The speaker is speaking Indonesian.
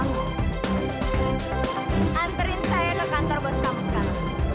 anperin saya ke kantor bos kamu sekarang